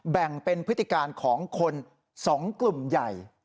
แบ่งเป็นพฤติการของคน๒กลุ่มใหญ่